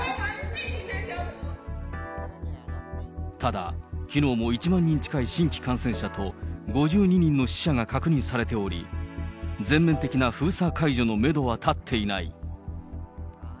ただ、きのうも１万人近い新規感染者と、５２人の死者が確認されており、全面的な封鎖解除のメドは立っていない。